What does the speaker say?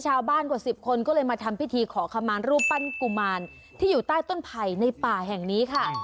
ชาวบ้านกว่า๑๐คนก็เลยมาทำพิธีขอขมารรูปปั้นกุมารที่อยู่ใต้ต้นไผ่ในป่าแห่งนี้ค่ะ